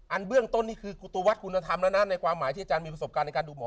เบื้องต้นนี่คือกุฏวัฒนคุณธรรมแล้วนะในความหมายที่อาจารย์มีประสบการณ์ในการดูหมอ